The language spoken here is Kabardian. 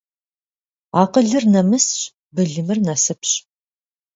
Акъылыр нэмысщ, былымыр насыпщ.